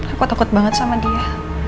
aku takut banget sama dia